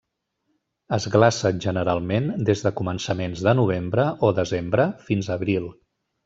Es glaça generalment des de començaments de novembre o desembre fins a abril.